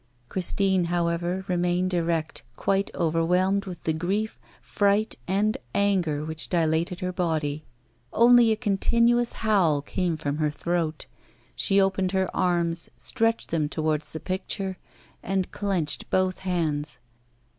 Christine, however, remained erect, quite overwhelmed with the grief, fright, and anger which dilated her body. Only a continuous howl came from her throat. She opened her arms, stretched them towards the picture, and clenched both hands.